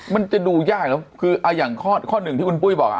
มันจะดูยากแล้วคือเอาอย่างข้อหนึ่งที่คุณปุ้ยบอกอ่ะ